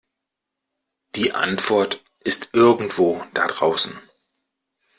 Die Antwort ist irgendwo da draußen.